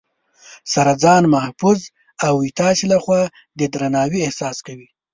سره ځان محفوظ او ستاسې لخوا د درناوي احساس کوي